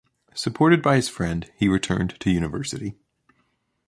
Supported by his friend, he returned to university.